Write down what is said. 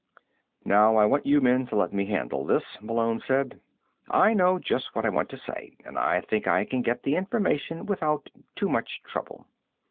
"Now, I want you men to let me handle this," Malone said. "I know just what I want to say, and I think I can get the information without too much trouble."